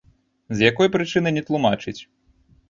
З якой прычыны, не тлумачыць.